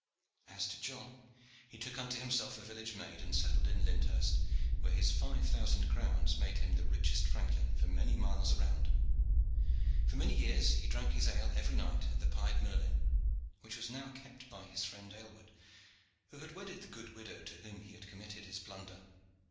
As to John, he took unto himself a village maid, and settled in Lyndhurst, where his five thousand crowns made him the richest franklin for many miles around. For many years he drank his ale every night at the "Pied Merlin," which was now kept by his friend Aylward, who had wedded the good widow to whom he had committed his plunder.